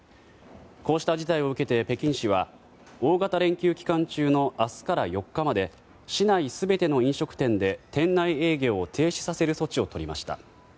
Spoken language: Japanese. こうした事態を受けて北京市は大型連休期間中の明日から４日まで市内全ての飲食店で店内営業を停止する措置をとりました。